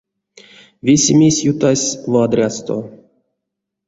Весемесь ютась вадрясто.